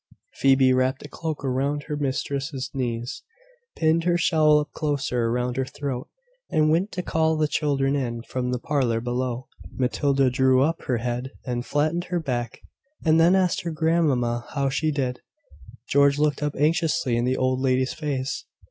Phoebe wrapped a cloak about her mistress's knees, pinned her shawl up closer around her throat, and went to call the children in from the parlour below. Matilda drew up her head and flattened her back, and then asked her grandmamma how she did. George looked up anxiously in the old lady's face.